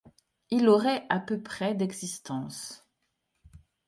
Il aurait à peu près d'existence.